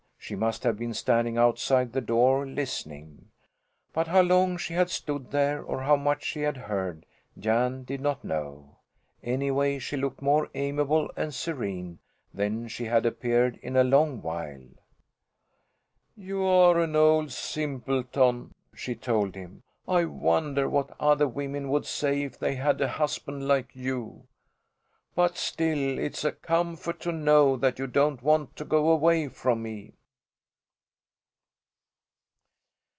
She must have been standing outside the door listening. But how long she had stood there or how much she had heard, Jan did not know. Anyway, she looked more amiable and serene than she had appeared in a long while. "You're an old simpleton," she told him. "I wonder what other women would say if they had a husband like you? But still it's a comfort to know that you don't want to go away from me."